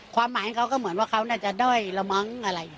ความหมายของเขาก็เหมือนว่าเขาน่าจะด้อยระมั้งอะไร